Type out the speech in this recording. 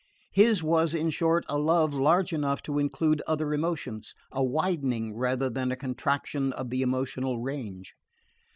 His was, in short, a love large enough to include other emotions: a widening rather than a contraction of the emotional range.